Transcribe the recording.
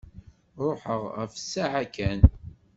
Ruḥeɣ ɣef ssaɛa kan.